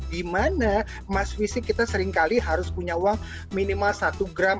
di mana emas fisik kita seringkali harus punya uang minimal satu gram